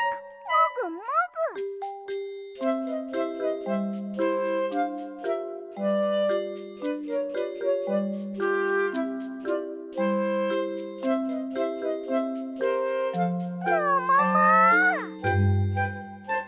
ももも！